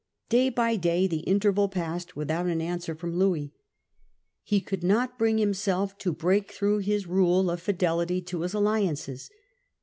Day by day the interval passed without an answer from Louis. He could not bring himself to break through his rule of fidelity to his alliances.